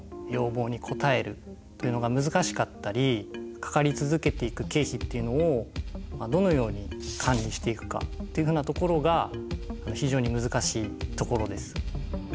かかり続けていく経費っていうのをどのように管理していくかっていうふうなところが非常に難しいところです。